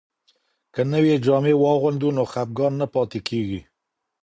که نوې جامې واغوندو نو خپګان نه پاتې کیږي.